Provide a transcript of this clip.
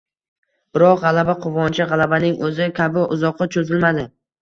Biroq, g‘alaba quvonchi, g‘alabaning o‘zi kabi, uzoqqa cho‘zilmadi.